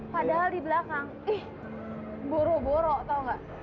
padahal di belakang ih boro boro tau gak